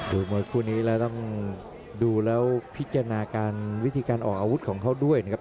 มวยคู่นี้แล้วต้องดูแล้วพิจารณาการวิธีการออกอาวุธของเขาด้วยนะครับ